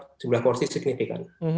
karena jumlah kursi signifikan